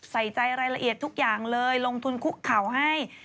ใส่ใจรายละเอียดทุกอย่างเลยลงทุนคุกเข่าให้